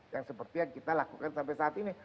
yang seperti yang kita lakukan sampai saat ini